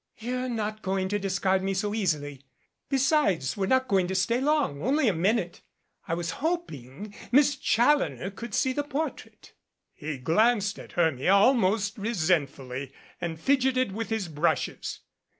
"You're not going to discard me so easily. Besides, we're not going to stay long only a minute. I was hoping Miss Challoner could see the portrait." He glanced at Hermia almost resentfully, and fidgeted with his brushes.